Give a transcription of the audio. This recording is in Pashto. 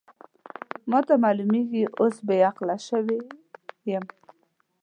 ما ته معلومېږي اوس بې عقله شوې یم.